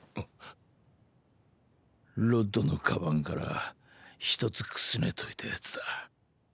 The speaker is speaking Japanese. ロッドの鞄から一つくすねといたヤツだ。